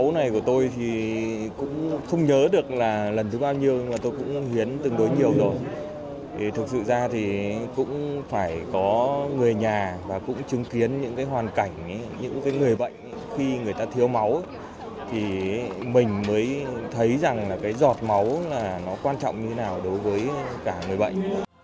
những người bệnh khi người ta thiếu máu thì mình mới thấy rằng giọt máu quan trọng như nào đối với cả người bệnh